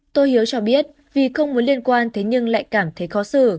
tô hiếu cho biết vì không muốn liên quan thế nhưng lại cảm thấy khó xử